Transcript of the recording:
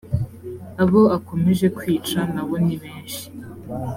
abo akomeje kwica na bo ni benshi